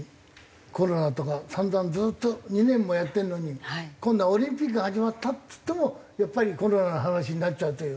コロナとか散々ずっと２年もやってるのに今度はオリンピックが始まったっつってもやっぱりコロナの話になっちゃうという。